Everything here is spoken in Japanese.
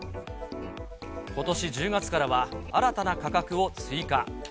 ことし１０月からは、新たな価格を追加。